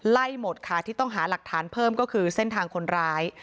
หมดค่ะที่ต้องหาหลักฐานเพิ่มก็คือเส้นทางคนร้าย